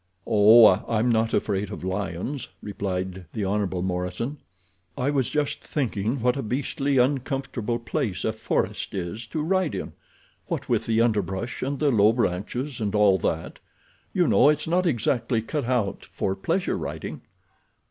"Oh, I'm not afraid of lions," replied the Hon. Morison. "I was just thinking what a beastly uncomfortable place a forest is to ride in. What with the underbrush and the low branches and all that, you know, it's not exactly cut out for pleasure riding."